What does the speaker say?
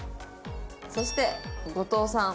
そして後藤さん。